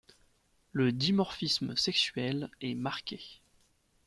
Le dimorphisme sexuel est marqué.